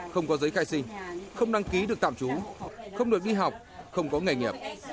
không có giấy khai sinh không đăng ký được tạm trú không được đi học không có nghề nghiệp